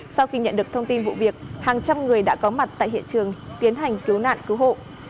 sau khi nhận được thông tin vụ việc hàng trăm người đã có mặt tại hiện trường tiến hành cứu nạn cứu hộ